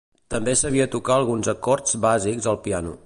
També sabia tocar alguns acords bàsics al piano.